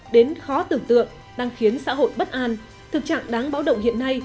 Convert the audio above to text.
đến khó tưởng tượng đang khiến xã hội bất an thực trạng đáng báo động hiện nay